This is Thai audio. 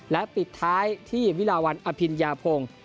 และปิดท้ายที่วิลาวันอภิญญาพงศ์